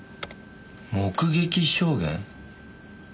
「目撃証言」？